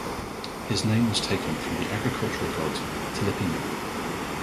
His name was taken from the agricultural god Telipinu.